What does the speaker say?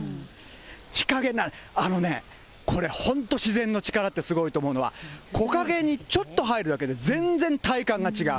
日陰、あのね、これ、本当自然の力ってすごいと思うのは、木陰にちょっと入るだけで全然体感が違う。